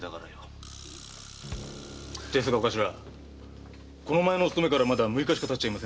ですがこの前のお勤めからまだ六日しか経っちゃいません。